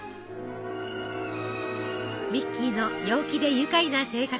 ミッキーの陽気で愉快な性格